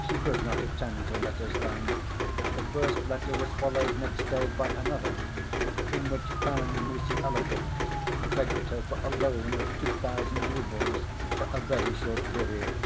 She could not attend to letters then. The first letter was followed next day by another in which Pan Mussyalovitch begged her for a loan of two thousand roubles for a very short period.